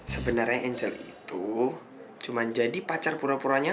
sebenarnya angel itu cuma jadi pacar pura puranya